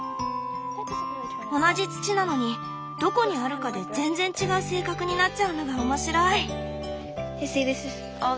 同じ土なのにどこにあるかで全然違う性格になっちゃうのが面白い！